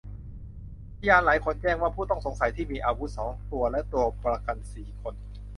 พยานหลายคนแจ้งว่าผู้ต้องสงสัยที่มีอาวุธสองคนและตัวประกันสี่คน